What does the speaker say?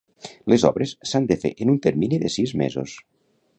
Les obres s'han de fer en un termini de sis mesos.